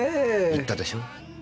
言ったでしょ。